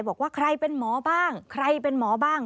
บอกว่าใครเป็นหมอบ้างใครเป็นหมอบ้าง